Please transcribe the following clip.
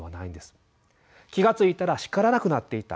「気がついたら叱らなくなっていた」